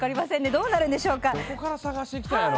どうなるんでしょうか。